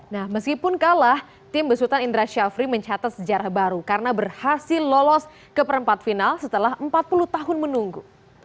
nah meskipun kalah tim besutan indra syafri mencatat sejarah baru karena berhasil lolos ke perempat final setelah empat puluh tahun menunggu